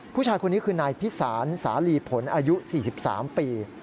ผู้ชายคนนี้คือนายพิสารสาลีผลอายุ๔๓ปี